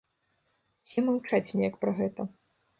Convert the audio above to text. Усе маўчаць неяк пра гэта.